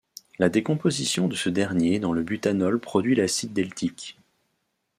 La décomposition de ce dernier dans le butanol produit l'acide deltique.